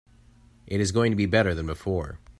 It is going to be better than before.